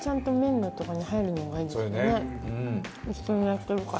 一緒にやってるから。